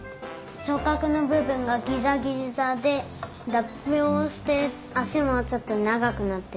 しょっかくのぶぶんがギザギザでだっぴをしてあしもちょっとながくなってた。